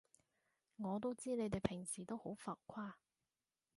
我都知你哋平時都好浮誇